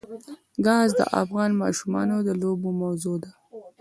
ګاز د افغان ماشومانو د لوبو موضوع ده.